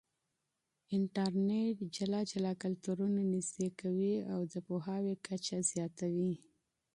انټرنېټ بېلابېل کلتورونه نږدې کوي او د پوهاوي کچه زياتوي.